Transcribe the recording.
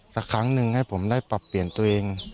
สักครั้งหนึ่งให้ผมได้ปรับเปลี่ยนตัวเอง